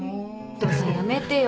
お父さんやめてよ。